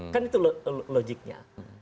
kan itu logiknya